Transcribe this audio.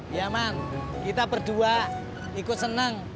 iya man kita berdua ikut seneng